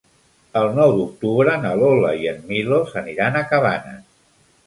El nou d'octubre na Lola i en Milos aniran a Cabanes.